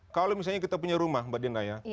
kalau misalnya kita punya rumah mbak dina ya